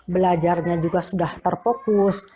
belajarnya juga sudah terfokus